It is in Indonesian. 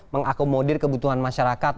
mengakomodir kebutuhan masyarakat